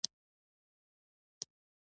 سېلاب داسې ليکل کېږي